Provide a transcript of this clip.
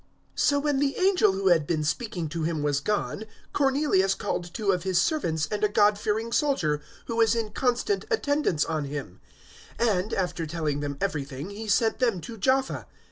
010:007 So when the angel who had been speaking to him was gone, Cornelius called two of his servants and a God fearing soldier who was in constant attendance on him, 010:008 and, after telling them everything, he sent them to Jaffa.